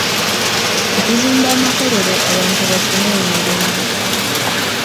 Okuzimba amakolero abantu bafune emirimu.